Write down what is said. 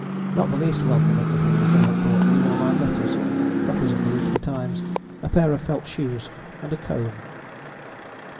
Not the least welcome of the things they had brought me were my letters, copies of the Weekly Times, a pair of felt shoes and a comb!